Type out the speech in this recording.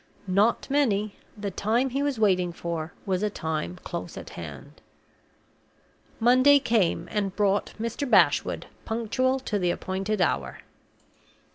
Not many. The time he was waiting for was a time close at hand. Monday came, and brought Mr. Bashwood, punctual to the appointed hour.